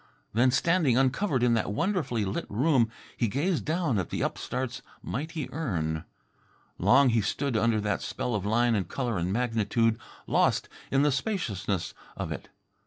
Then, standing uncovered in that wonderfully lit room, he gazed down at the upstart's mighty urn. Long he stood under that spell of line and colour and magnitude, lost in the spaciousness of it.